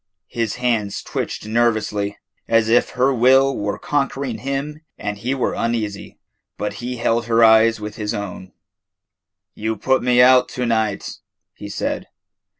His hands twitched nervously, as if her will were conquering him and he were uneasy, but he held her eye with his own. "You put me out to night," he said.